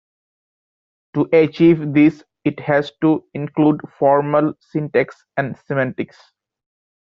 To achieve this it has to include formal syntax and semantics.